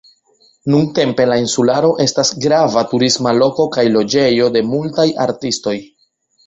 Nuntempe la insularo estas grava turisma loko kaj loĝejo de multaj artistoj.